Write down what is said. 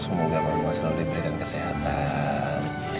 semoga mama selalu diberikan kesehatan